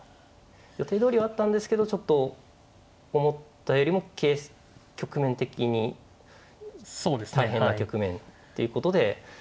予定どおりではあったんですけどちょっと思ったよりも局面的に大変な局面ということで。